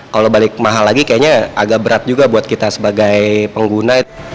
kalau balik mahal lagi kayaknya agak berat juga buat kita sebagai pengguna